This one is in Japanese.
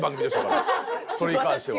それに関しては。